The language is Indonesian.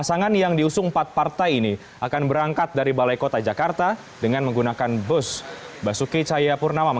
rama tadi sebelumnya rian telah menyampaikan informasi